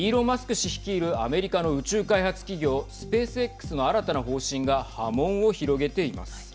氏率いるアメリカの宇宙開発企業スペースＸの新たな方針が波紋を広げています。